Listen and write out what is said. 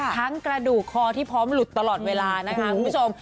กระดูกคอที่พร้อมหลุดตลอดเวลานะคะคุณผู้ชม